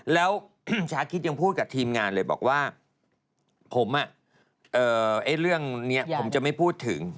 แล้วคุณชาคิดยังพูดกับทีมงานเลยบอกว่าผมเรื่องนี้ผมจะไม่พูดถึง